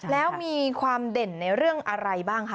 แล้วมีความเด่นในเรื่องอะไรบ้างคะ